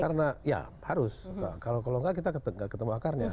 karena ya harus kalau nggak kita ketemu akarnya